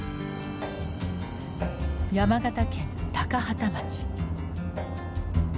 山形県高畠町。